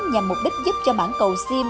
nhằm mục đích giúp cho mãn cầu sim